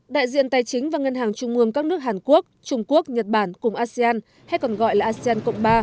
đại diện tài chính và ngân hàng trung mương các nước hàn quốc trung quốc nhật bản cùng asean hay còn gọi là asean cộng ba